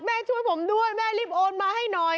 ช่วยผมด้วยแม่รีบโอนมาให้หน่อย